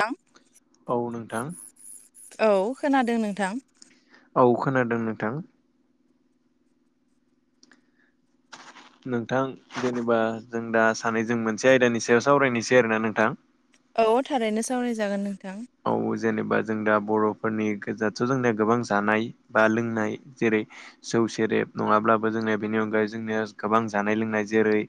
थां औ नोंथां। औ खोनादों नोंथां। औ खोनादों नोंथां। नोंथां जेनेबा जों दा सानै जों मोनसे आयदानि सायाव सावरायनोसै आरोना नोंथां। औ थारैनो सावरायजागोन नोंथां। औ जेनेबा जों दा बर'फोरनि गोजाथ' जोंनिया गोबां जानाय। बा लोंनाय। जेरै जौ सेरेब नङाब्लाबो जोंनिया बेनि अनगायै जोंनिया गोबां जानाय लोंनाय जेरै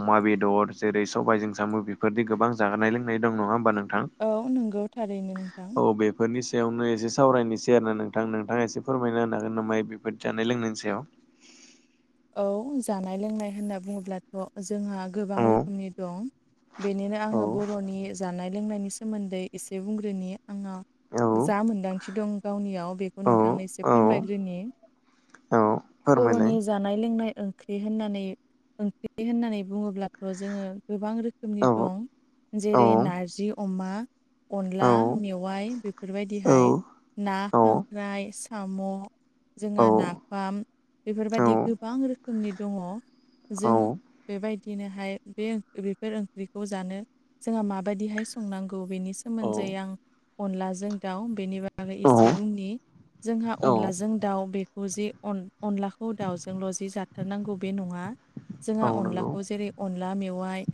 अमा बेदर जेरै सबाइजों सामु बेफोरनि गोबां जाहोनाय लोंनाय दं नङा होमबा नोंथां। औ नंगौ थारैनो नोंथां। औ बेफोरनि सायावनो एसे सावरायनोसै आरोना नोंथां नोंथाङा एसे फोरमायना होनो हागोन नामा मा बेफोर जानाय लोंनायनि सायाव। औ जानाय लोंनाय होनना बुङोब्लाथ' जोंहा गोबां औ रोखोमनि दं। बेनिनो औ आङो बर'नि जानाय लोंनायनि सोमोन्दै एसे बुंग्रोनि आङो। औ जा मोन्दांथि दं गावनियाव बेखौ औ नोंथांनो एसे औ फोरमायग्रोनि। औ फोरमायलाय बर'नि जानाय लोंनाय ओंख्रि होननानै ओंख्रि होननानै बुङोब्लाथ' जोङो गोबां रोखोमनि औ दं। औ जेरै नारजि अमा औ अनला मेवाय बेफोरबायदिहाय। ना औ खांख्राइ साम' जोंहा नाफाम बेफोरबायदि गोबां रोखोमनि दङ। जों बेबायदिनोहाय बे बेफोर ओंख्रिखौ जानो जोंहा माबायदिहाय संनांगौ बेनि सोमोन्दै आं अनलाजों दाउ बेनि बागै औ एसे बुंनि। जोंहा औ अनलाजों दाउ बेखौ जे अनलाखौ दाउजोंल' जि जाथारनांगौ बे नङा औ जोंहा नंगौ अनलाखौ जेरै अनला मेवाइ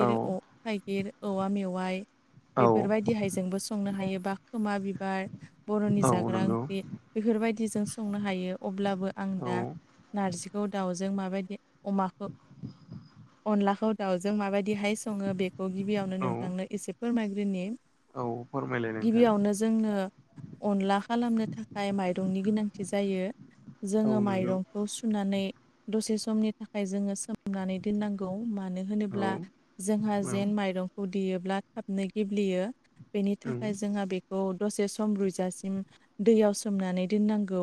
औ थाइगिर औवा मेवाइ औ बेफोरबायदिहाय जोंबो संनो हायो बा खोमा बिबार बर'नि औ जाग्रा नंगौ ओंख्रि बेफोरबायदिजों संनो हायो अब्लाबो आं औ दा नारजिखौ दाउजों माबायदि अमाखो अनलाखौ दाउजों माबायदिहाय सङो बेखौ गिबियावनो औ नोंथांनो एसे फोरमायग्रोनि। औ। फोरमायलाय नोंथां गिबियावनो जोंनो अनला खालामनो थाखाय माइरंनि गोनांथि जायो। औ जोङो नंगौ माइरं खौ सुनानै दसे समनि थाखाय जोङो सोमनानै दोननांगौ मानो औ होनोब्ला। जोंहा औ जेन माइरंखौ देयोब्ला थाबनो गेब्लेयो। बेनि थाखाय जोंहा बेखौ दसे सम रुयजासिम दैयाव सोमनानै दोननांगौ।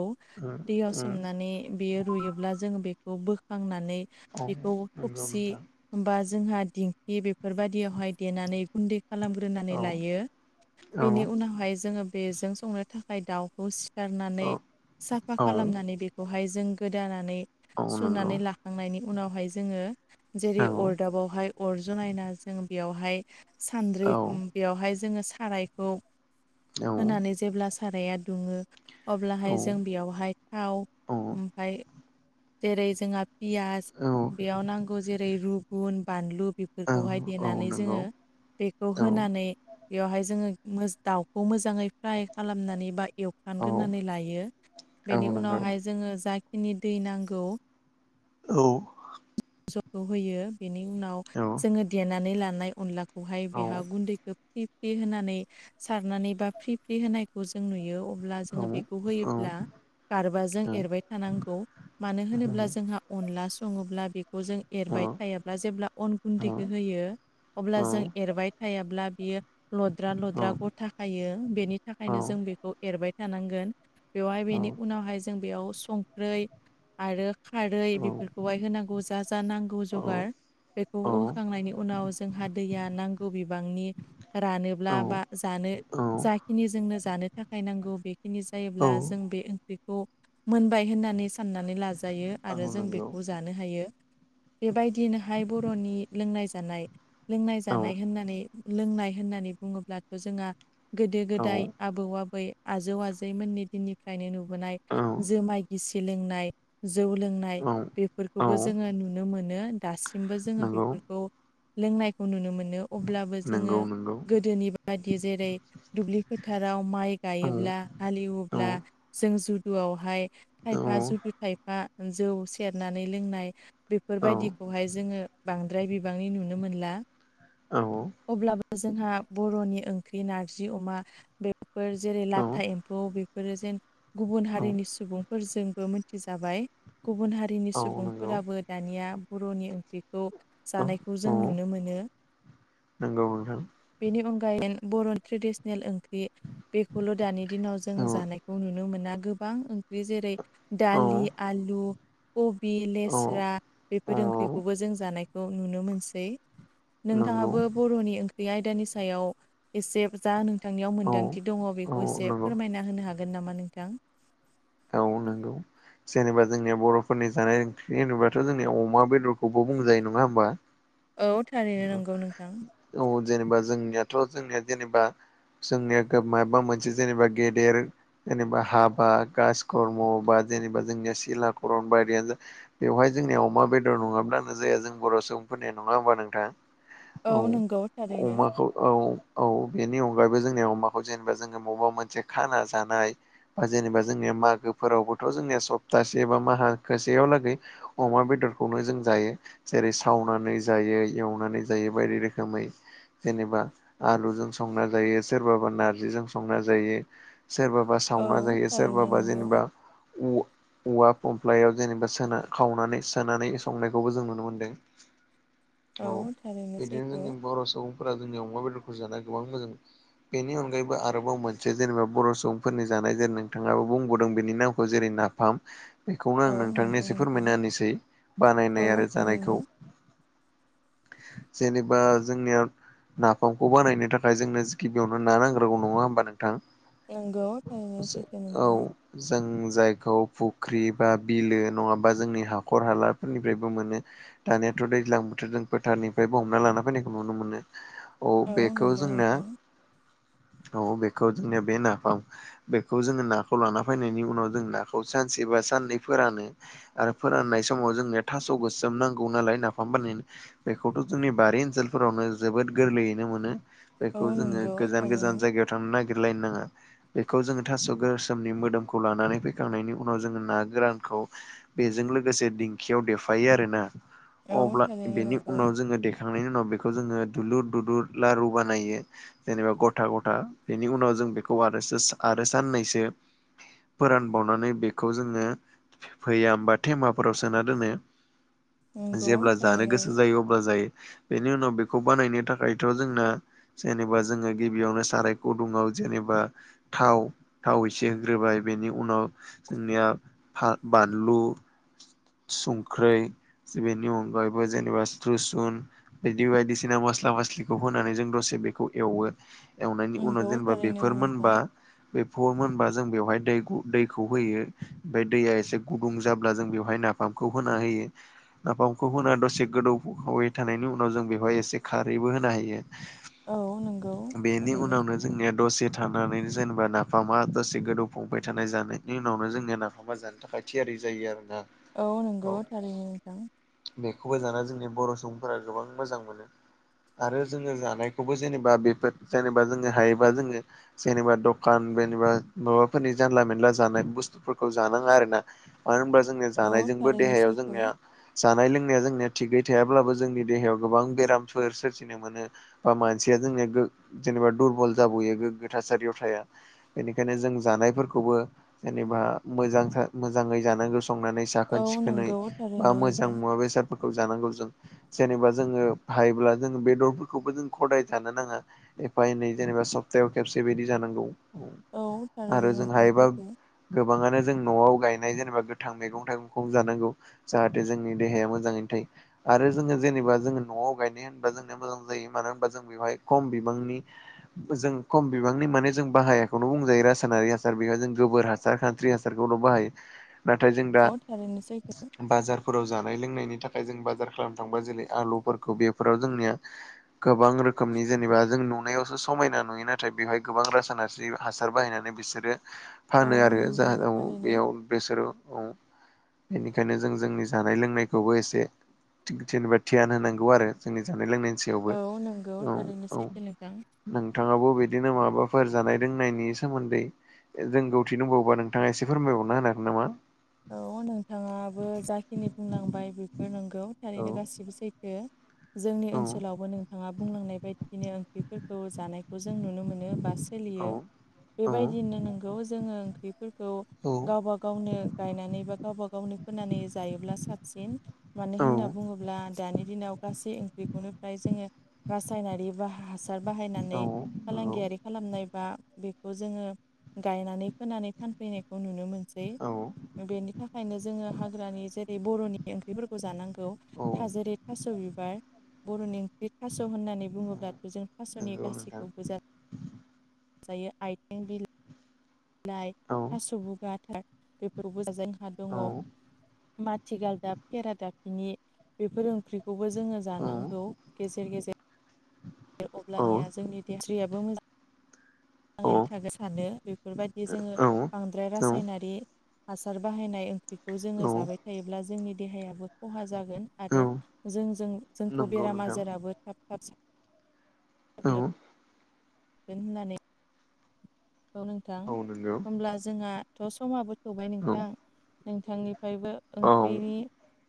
दैयाव सोमनानै बेयो रुयोब्ला जों बेखौ बोखांनानै औ बेखौ नंगौ खोबसि नोंथां होमबा जोंहा दिंखि बेफोरबादियावहाय देनानै गुन्दै खालामग्रोनानै औ लायो। औ बेनि उनावहाय जोङो बेजों संनो थाखाय दाउखौ सिथारनानै औ साफा औ खालामनानै बेखौहाय जों गोदानानै औ नंगौ सुनानै लाखांनायनि उनावहाय जोङो जेरै औ अरदाबावहाय अर जनायना जों बेयावहाय सान्द्रि औ उम बेवहाय जोङो सारायखौ औ होनानै जेब्ला साराया दुङो अब्लाहाय जों बेयावहाय थाव ओमफाय जेरै जोंहा पियास औ बेयाव नांगौ जेरै रुगुन बानलु औ बेफोरखौहाय औ देनानै नंगौ जोङो बेखौ औ होनानै बेवहाय जोङो मोज दाउखौ मोजाङै फ्राय खालामनानै बा औ एवफ्रानग्रोनानै लायो। बेनि औ नंगौ उनावहाय जोङो जाखिनि दै नांगौ औ। जग' होयो बेनि उनाव नोंथां। जोङो देनानै लानाय अनलाखौहाय औ बेहा गुन्दैखो फ्रि फ्रि होनानै सारनानै बा फ्रि फ्रि होनायखौ जों नुयो। अब्ला जोङो बेखौ होयोब्ला गारबाजों एरबाय थानांगौ। मानो होनोब्ला जोंहा अनला सङोब्ला बे खौ जों एरबाय थायाब्ला जेब्ला अन गुन्दैखो होयो अब्ला जों एरबाय थायाब्ला बियो लद्रा लद्रा गथा खायो बेनि थाखायनो जों बेखौ एरबाय थानांगोन। बेवहाय बेनि उनावहाय जों बेयाव संख्रै आरो खारै बेफोरखौहाय होनांगौ। जा जा नांगौ जगार बेखौ होखांनायनि उनाव जोंहा दैया नांगौ बिबांनि रानोब्ला बा जानो जाखिनि जोंनो जानो थाखाय नांगौ बेखिनि जायोब्ला जों बे ओंख्रिखौ मोनबाय होननानै साननानै लाजायो आरो जों बेखौ जानो हायो। बेबायदिनोहाय बर'नि लोंनाय जानाय लोंनाय जानाय होननानै लोंनाय होननानै बुङोब्लाथ' जोंआ गोदो गोदाय आबौ आबै आजौ आजैमोननि दिननिफ्रायनो नुबोनाय। जोमाय गिसि लोंनाय जौ लोंनाय बेफोरखौबो जोङो नुनो मोनो। दासिमबो जोङो बेफोरखौ लोंनायखौ नुनो मोनो। अब्लाबो जोङो गोदोनि बादि जेरै दुब्लि फोथाराव माइ गायोब्ला हालेवोब्ला जों जुदुआवहाय थायफा जुदु थायफा जौ सेरनानै लोंनाय बिफोरबायदिखौहाय जोङो बांद्राय बिबांनि नुनो मोनला। औ औ। अब्लाबो जोंहा बर'नि ओंख्रि नारजि अमा बेफोर जेरै लाथा एम्फौ बेफोरो जेन गुबुन हारिनि सुबुंफोरजोंबो मिथिजाबाय गुबुन हा नि सुबुंफोराबो दानिआ बर'नि ओंख्रिखौ जानायखौ जों नुनो मोनो नोंगौ नोंथां बेनि अनगायै बर'नि ट्रेडिसेनेल ओंख्रि बेखौल' दानि दिनाव जों जानायखौ नुनो मोना गोबां ओंख्रि जेरै दालि आलु कबि लेस्रा बेफोर ओंख्रिखौबो जों जानायखौ नुनो मोनसै नोंथांआबो बर'नि ओंख्रि आयदानि सायाव एसे जा नोंथांनिआव औ नंगौ। औ मोन्दांथि दङ औ बेखौ एसे नंगौ। फोरमायना होनो हागोन नामा नोंथां औ नोंगौ जेनोबा जोंनिआ बर'फोरनि जानाय ओंख्रि होनोबाथ' जोंनिया अमा बेदरखौबो बुंजायो नङा होमबा औ थारैनो नोंगौ नोंथां औ जेनोबा जोंनिआथ' जोंनिआ जेनोबा जोंनिया गा माबा मोनसे जेनोबा गेदेर जेनोबा हाबा कासकर्म बा जेनोबा जोंनिआ सिलाकरन बायदिआनो जा बेवहाय जोंनिआ अमा बेदर नङाब्लानो जाया जों बर' सुबुंफोरनिआ नङा होमबा नोंथां औ नोंगौ थारैनो अमाखौ औ औ बेनि अनगायैबो जोंनि अमाखौ जेनोबा जोङो मबेबा मोनसे खाना जानाय बा जेनोबा जोंनिआ मागोफोरावबोथ' जोंनिया सप्तासे बा माखोसेयाव लागै अमा बेदरखौबो जों जायो जेरै सावनानै जायो एवनानै जायो बायदि रोखोमै जेनोबा आलुजों संना जायो सोरबाबा नारजिजों संना जायो सोरबाबा सोरबा औ सावना जायो थारैनो सोरबााबा नंगौ जेनोबा उ औवा फमफ्लायाव जेनोबा सोना खावनानै सोनानै संनायखौबो जों नुनो मोनदों औ थारैनो इदिनो सैथो जोंनि बर' सुबुंफोरा जोंनि अमा बेदरखौ जानानै गोबां मोजां बेनि अनगायैबो आरोबाव मोनसे जेनोबा बर' सुबुंफोरनि जानाय जेरै नोंथांआबो बुंबावदों बेनि नामखौ जेरै ना फाम बेखौनो औ आं नोंथांनो नंगौ एसे नोंथां फोरमायना होनिसै बानायनाय औ आरो जानायखौ थारैनो जेनेबा जोंनिआ नाफामखौ बानायनो थाखाय जोंनो गिबिआवनो ना नांग्रोगौ नङा होमबा नोंथां नंगौ थारैनो सो सैथो औ नोंथां जों जायखौ फुख्रि बा बिलो नङाबा जोंनि हाखर हालाफोरनिफ्रायबो मोनो दानियाथ' दैज्लां बोथोर जों फोथारनिफ्रायबो हमना लाना फैनायखौ नुनो मोनो औ बेखौ नंगौ जोंना नोंथां औ बेखौ जोंनिआ बे नाफाम बेखौ जोङो नाखौ लाना फैनायनि उनाव जों नाखौ सानसे बा साननै फोरानो आरो फोराननाय समाव जोंनो थास' गोसोम नांगौ नालाय नाफाम बानायनो बेखौथ' जोंनि बारि ओनसोलफोरावनो जोबोद गोरलैयैनो मोनो औ बेखौ जोङो नंगौ गोजान थारैनो गोजान जायगायाव थांना नागिरलायनो नाङा बेखौ जोङो थास' गोसोमनि मोदोमखौ लानानै फैखांनायनि उनाव जोङो ना गोरानखौ बेजों लोगोसे दिंखियाव देफायो आरोना औ अब्ला थारैनो बेनि नंगौ उनाव जोङो देखांनायनि उनाव बेखौ जोङो दुलुर दुलुर लारु बानायो जेनोबा ग'था ग'था बेनि उनाव जों बेखौ आरो सो आरो साननैसो फोरानबावनानै बेखौ जोङो भैयाम बा थेमाफोराव सोना दोनो नंगौ जेब्ला जानो थारैनो गोसो जायो अब्ला जायो बेनि उनाव बे खौ बानायनो थाखायथ' जोंना जेनोबा जोङो गिबिआवनो साराय गुदुंआव जेनोबा थाव थाव एसे होग्रोबाय बेनि उनाव जोंनिआ फा बानलु संख्रै बेनि अनगायैबो जेनेबा स्रिसुन बिदि बायदिसिना मस्ला मस्लिखौ होनानै जों दसे बेखौ एवो एवनायनि नंगौ उनाव जेनोबा थारैनो बेफोर नोंथां मोनबा बे फर मोनबा जों बेवहाय दै दैखौ होयो ओमफ्राय दैया एसे गुदुं जाब्ला जों बेवहाय ना फामखौ होना होयो नाफामखौ होना दसे गोदौखाय थानायनि उनाव जों बेवहाय एसे खारैबो होनो औ नंगौ हायो बेनि थारैनो उनावनो जोंनिया दसे थानानै जेनेबा नाफामा दसे गोदौफुबाय थानाय जानायनि उनावनो जोंनिया नाफामा जानो थाखाय थियारि जायो आरो ना औ नंगौ थारैनो नोंथां बेखौबो जाना जोंनि बर' सुबुंफोरा गोबां मोजां मोनो आरो जोङो जानायखौबो जेनेबा बेफोर जेनेबा जोङो हायोबा जोङो जेनेबा दखान जेनेबा माबाफोरनि जानला मोनेनला जानाय बुस्थुफोरखौ जानाङा आरो ना मानो होमबा जोङो औ थारैनो सैथो जानाय लोंनाया जोंनिया थिगै थायाब्लाबो जोंनि देहायाव गोबां बेरामफोर सोरजिनो मोनो बा मानसिया जोंनिया जेनेबा दुरबल जाबावयो गोग्गो थासारियाव थाया बेनिखायनो जों जानायफोरखौबो जेनेबा मोजां मोजाङै जानांगौ संनानै औ साखोन सिखोनै नंगौ बा थारैनो मोजां नोंथां मुवा बेसादफोरखौ जानांगौ जों जेनेबा जोङो हायोब्ला जोङो बेदरफोरखौबो जों खदाय जानो नाङा एफा एनै जेनेबा सप्तायाव खेबसे बायदि जानांगौ औ आरो थारैनो जों नोंथां हायोबा सैथो गोबाङानो जों न'आव गायनाय जेनेबा गोथां मैगं थाइगंखौ जानांगौ जाहाथे जोंनि देहाया मोजाङैनो थायो आरो जोङो जेनेबा जो न'आव गायनाय जेनेबा जोंना मोजां जायो मानो होनबा जों बेहाय खम बिबांनि जों खम बिबांनि माने जों बाहायाखौनो बुंजायो रासायनारि हासार बेहाय जों गोबोर हा सार खान्स्रि हासारखौल' बाहायो नाथाय जों दा औ थारैनो सैथो बाजारफोराव जानाय लोंनायनि थाखाय जों बाजार खालामनो थांबा जेरै आलुफोरखौ बेफोराव जोंनिया गोबां रोखोमनि जेनेबा जों नुनायावसो समायना नुयो नाथाय बेवहाय गोबां रासनारि थायो हासार बाहायनानै बिसोरो औ फानो आरो नंगौ जाहाव थारैनो बेयाव बेसोरो औ बेनिखायनो जों जोंनि जानाय लोंनायखौबो एसे जेनेबा धियान होनांगौ आरो जोंनि जानाय लोंनायनि सायावबो औ नंगौ औ थारैनो औ सैथो नोंथां नोंथाङाबो बिदिनो माबाफोर जानाय लोंनायनि सोमोन्दै जों गौथि दंबावोबा नोंथाङा एसे फोरमायबावना होनो हागोन नामा औ नोंथाङाबो जाखिनि बुंलांबाय बेफोर नंगौ औ थारैनो गासिबो सैथो जोंनि औ ओनसोलावबो नोंथाङा बुंलांनाय बायदिनो ओंख्रिफोरखौ जानायखौ जों नुनो मोनो बास सोलियो औ बेबायदिनो नोंगौ जोङो ओंख्रिफोरखौ गावबा गावनो गायनानै बा गावबा गावनो फोनानै जायोब्ला साबसिन मानो औ होनना बुङोब्ला दानि दिनाव गासै ओंख्रिखौनो फ्राय जोङो रासायनारि बा हास बाहायनानै औ नंगौ फालांगियारि खालामनायबा बेखौ जोङो गायनानै फोनानै फानफैनायखौ नुनो मोनसै औ बेनि थाखायनो जोङो हाग्रानि जेरै बर'नि ओंख्रिफोरखौ जानांगौ औ थाजारि थास' बिबार बर'नि ओंख्रि थास' होननानै बुङोब्लाथ' जों थास'नि नंगौ नोंथां गासैखौबो जा जायो आइथिं बिल लाइ औ थास' बिबार बेफोरबो जोंहा दङ नंगौ माथि गालदाब खेरादाफिनि बेफोर ओंख्रिखौबो जोङो जानांगौ गेजेर गेजेर अब्लानिया जोंनि देस्रियाबो मोजां आरैनो थाखाय सानो बेफोरबायदि जोङो बांद्राय रासायनारि हासार बाहायनाय ओंख्रिखौ जोङो जाबाय थायोब्ला जोंनि देहायाबो खहा जागोन आरो जोंजों जोंखौ बेराम नोंथां आजाराबो थाब थाब साब साग्लोबगोन होननानै औ नोंथां औ नंगौ होमब्ला जोंहाथ' समाबो थौबाय औ नोंथां नोंथांनिफ्रायबो औ ओंख्रिनि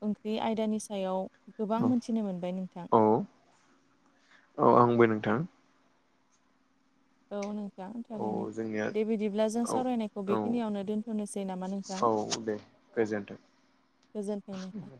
ओंख्रि आयदानि सायाव गोबां मोनथिनो मोनबाय नोंथां औ औ आंबो नोंथां औ नोंथां औ थारैनो जोंनिया दे बिदिब्ला जों औ सावरायनायखौ औ बेखिनियावनो दोन्थ'नोसै नामा नोंथां औ दे गोजोनथों गोजोन्थों नोंथां